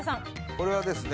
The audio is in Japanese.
これはですね